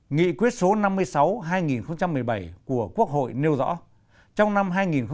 nghị quyết số năm mươi sáu hai nghìn một mươi bảy của quốc hội nêu rõ trong năm hai nghìn một mươi tám